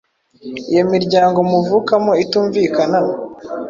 Iyo imiryango muvukamo itumvikana